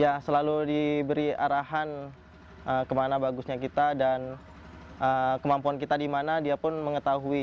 ya selalu diberi arahan kemana bagusnya kita dan kemampuan kita dimana dia pun mengetahui